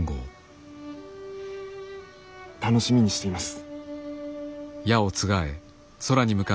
楽しみにしています。